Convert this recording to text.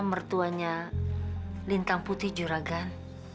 mertuanya lintang putih juragan